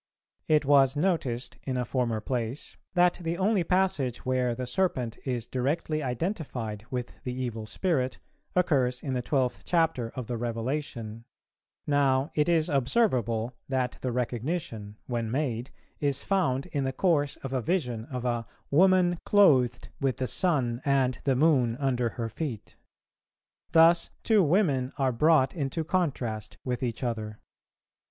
It was noticed in a former place, that the only passage where the serpent is directly identified with the evil spirit occurs in the twelfth chapter of the Revelation; now it is observable that the recognition, when made, is found in the course of a vision of a "woman clothed with the sun and the moon under her feet:" thus two women are brought into contrast with each other.